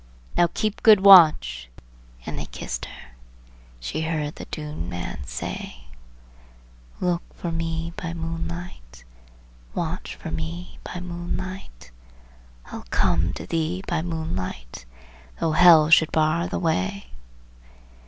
"Now keep good watch!" and they kissed her. She heard the dead man say, "Look for me by moonlight, Watch for me by moonlight, I'll come to thee by moonlight, though Hell should bar the way."